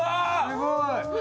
すごい！